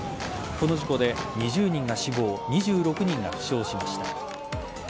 この事故で２０人が死亡２６人が負傷しました。